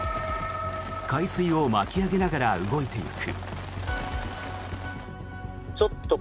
海水を巻き上げながら動いていく。